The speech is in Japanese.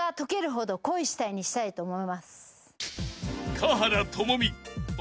［華原朋美鬼